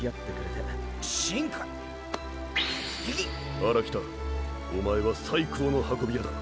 荒北おまえは最高の運び屋だ。